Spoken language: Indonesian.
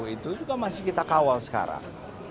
itu juga masih kita kawal sekarang